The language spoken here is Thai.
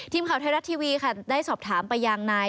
ทีมข่าวไทยรัฐทีวีค่ะได้สอบถามไปยังนาย